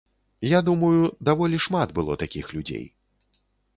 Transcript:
Я думаю, даволі шмат было такіх людзей.